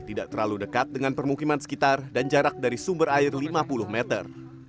tidak terlalu dekat dengan permukiman sekitar dan jarak dari sumber air lima puluh meter